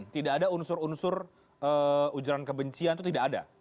tidak ada unsur unsur ujaran kebencian itu tidak ada